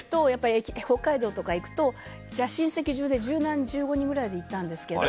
北海道とか行くと、集団で１５人ぐらいで行ったんですけど。